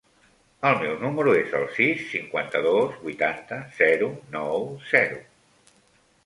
El meu número es el sis, cinquanta-dos, vuitanta, zero, nou, zero.